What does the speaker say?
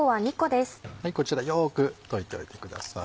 こちらよく溶いておいてください。